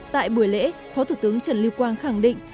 tại buổi lễ phó thủ tướng trần lưu quang khẳng định